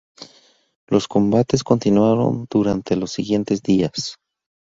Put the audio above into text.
Los combates continuaron durante los siguientes días.